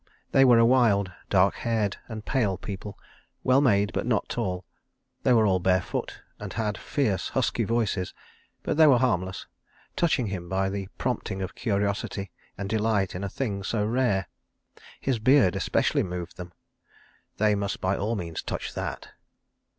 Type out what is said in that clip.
They were a wild, dark haired and pale people, well made but not tall. They were all barefoot, and had fierce, husky voices; but they were harmless, touching him by the prompting of curiosity, and delight in a thing so rare. His beard especially moved them. They must by all means touch that.